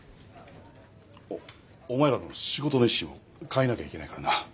おお前らの仕事の意識も変えなきゃいけないからな。